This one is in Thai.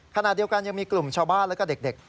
ขณะเดียวกันยังมีกลุ่มชาวบ้านและก็เด็ก